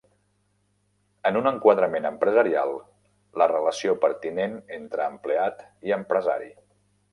En un enquadrament empresarial, la relació pertinent entre empleat i empresari.